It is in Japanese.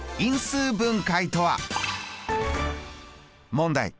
問題。